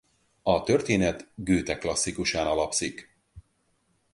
A történet Goethe klasszikusán alapszik.